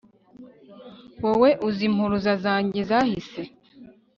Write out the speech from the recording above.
wowe, uzi impuruza zanjye zahise